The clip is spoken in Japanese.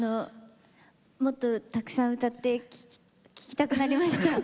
もっとたくさん歌って聴きたくなりました。